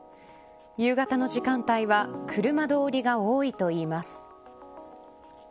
夕方の時間帯は車通りが多いといいます。